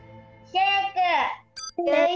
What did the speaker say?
シェイク！